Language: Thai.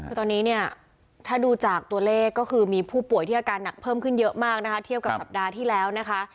คือตอนนี้เนี่ยถ้าดูจากตัวเลขก็คือมีผู้ป่วยที่อาการหนักเพิ่มขึ้นเยอะมากนะคะเทียบกับสัปดาห์ที่แล้วนะคะ